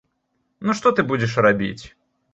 Ну, што ты будзеш рабіць!